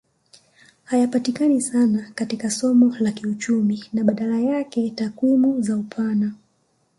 Hayapatikani sana katika somo la kiuchumi na badala yake takwimu za upana